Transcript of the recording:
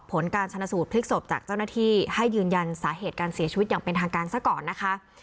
ผลการชนะสูตรพลิกศพจากเจ้าหน้าที่ให้ยืนยันสาเหตุการเสียชีวิตอย่างเป็นทางการซะก่อนนะคะ